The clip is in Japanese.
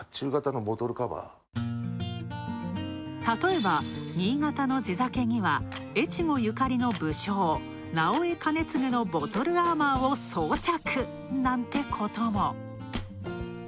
たとえば新潟の地酒には越後ゆかりの武将、直江兼続のボトルアーマーを装着なんてことも。